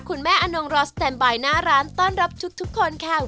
นอนงรอสแตนบายหน้าร้านต้อนรับทุกคนค่ะ